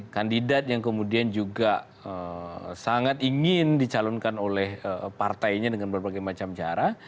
kandidat yang kemudian juga sangat ingin dicalonkan oleh partainya dengan berbagai macam cara